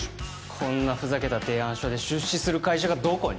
こんなふざけた提案書で出資する会社がどこに？